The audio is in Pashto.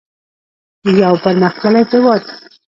یو پرمختللی هیواد.